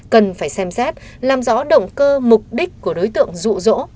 cần phải xem xét làm rõ động cơ mục đích của đối tượng rụ rỗ